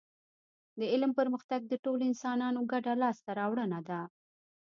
د علم پرمختګ د ټولو انسانانو ګډه لاسته راوړنه ده